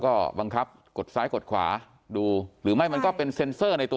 ก็บังคับกดซ้ายกดขวาดูหรือไม่มันก็เป็นเซ็นเซอร์ในตัว